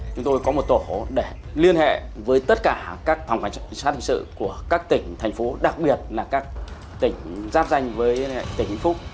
chúng tôi có một tổ để liên hệ với tất cả các phòng hành chính sát hình sự của các tỉnh thành phố đặc biệt là các tỉnh giáp danh với tỉnh vĩnh phúc